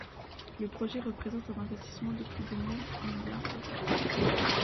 Le projet représente un investissement de plus de mille milliards de roubles.